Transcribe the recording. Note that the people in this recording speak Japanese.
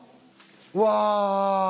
うわ！